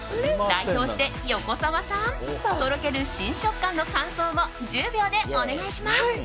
代表して横澤さんとろける新食感の感想を１０秒でお願いします。